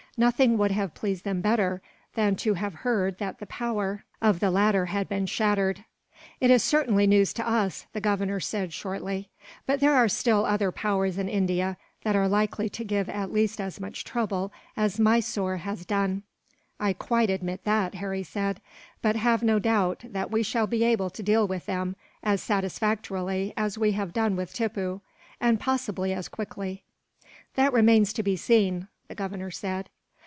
Nothing would have pleased them better than to have heard that the power of the latter had been shattered. "It is certainly news to us," the Governor said, shortly. "But there are still other powers in India, that are likely to give at least as much trouble as Mysore has done." "I quite admit that," Harry said, "but have no doubt that we shall be able to deal with them, as satisfactorily as we have done with Tippoo; and possibly as quickly." "That remains to be seen," the Governor said.